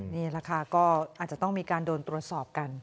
นี่แหละค่ะก็อาจจะต้องมีการโดนตรวจสอบกัน